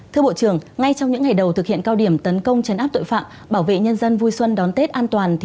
thưa bộ trưởng ngay trong những ngày đầu thực hiện cao điểm tấn công chấn áp tội phạm bảo vệ nhân dân vui xuân đón tết an toàn